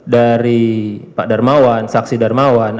dari pak darmawan saksi darmawan